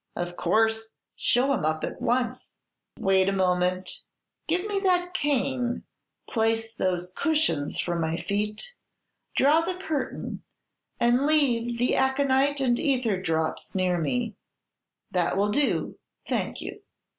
"Of course; show him up at once. Wait a moment; give me that cane, place those cushions for my feet, draw the curtain, and leave the aconite and ether drops near me, that will do, thank you."